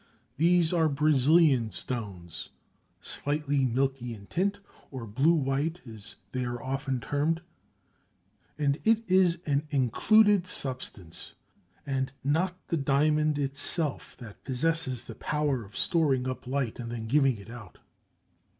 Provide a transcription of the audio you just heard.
These are Brazilian stones, slightly milky in tint, or blue white as they are often termed, and it is an included substance and not the diamond itself that possesses the power of storing up light and then giving it out.